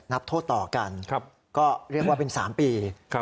นับโทษต่อกันก็เรียกว่าเป็น๓ปี